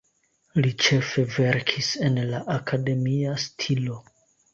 Li ĉefe verkis en la akademia stilo.